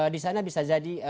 disana bisa jadi